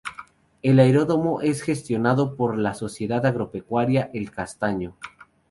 El aeródromo es gestionado por la sociedad Agropecuaria El Castaño.